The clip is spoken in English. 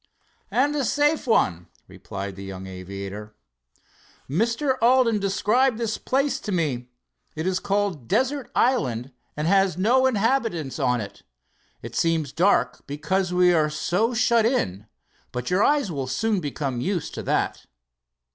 "And a safe one," replied the young aviator. "Mr. Alden described this place to me. It is called Desert Island, and has no inhabitants on it. It seems dark because we are so shut in, but your eyes will soon become used to that."